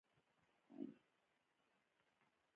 د نجونو تعلیم د ماشومانو مړینې کمولو مرسته ده.